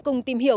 cùng tìm hiểu